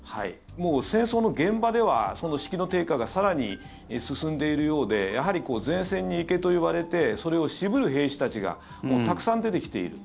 戦争の現場ではその士気の低下が更に進んでいるようでやはり前線に行けと言われてそれを渋る兵士たちがたくさん出てきている。